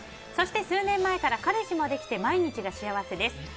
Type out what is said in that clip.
そして数年前から彼氏もできて毎日が幸せです。